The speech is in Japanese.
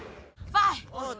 ファイッ！